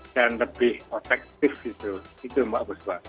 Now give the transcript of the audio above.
dan lebih efektif gitu itu mbak buspa